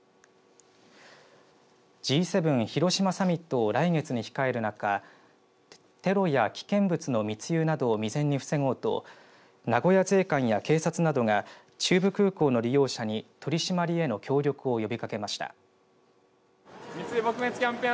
Ｇ７広島サミットを来月に控えるなかテロや危険物の密輸などを未然に防ごうと名古屋税関や警察などが中部空港の利用者に取り締まりへの協力を呼びかけました。